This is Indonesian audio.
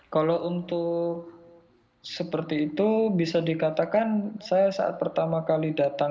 kalau untuk seperti itu bisa dikatakan saya saat pertama kali datang